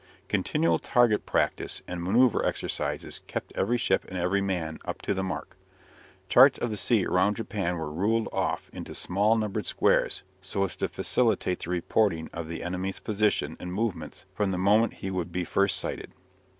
Continual target practice and manoeuvre exercises kept every ship and every man up to the mark. Charts of the sea around Japan were ruled off into small numbered squares, so as to facilitate the reporting of the enemy's position and movements from the moment he would be first sighted.